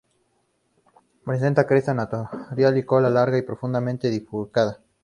Presenta cresta notoria y cola larga y profundamente bifurcada.